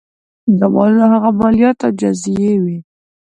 دا مالونه هغه مالیات او جزیې وې.